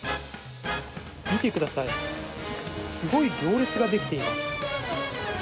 見てください、すごい行列ができています。